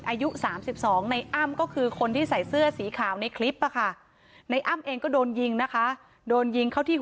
อายุสามสิบสองนายอ้ำก็คือคนที่ใส่เสื้อสีขาวในคลิปค่ะ